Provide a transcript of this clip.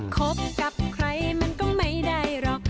คบกับใครมันก็ไม่ได้หรอก